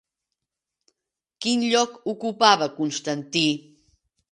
Quin lloc ocupava Constantí?